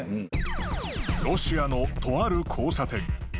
［ロシアのとある交差点］